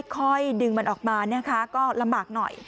ค่อยดึงมันออกมานะคะก็ลำบากหน่อย